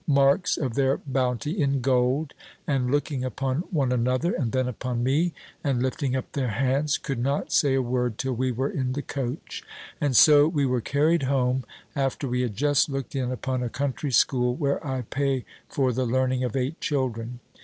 marks of their bounty in gold, and looking upon one another, and then upon me, and lifting up their hands, could not say a word till we were in the coach: and so we were carried home, after we had just looked in upon a country school, where I pay for the learning of eight children.